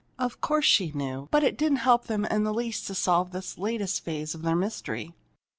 Of course she knew, but it didn't help them in the least to solve this latest phase of their mystery.